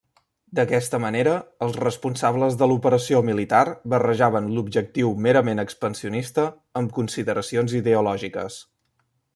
D'aquesta manera, els responsables de l'operació militar barrejaven l'objectiu merament expansionista amb consideracions ideològiques.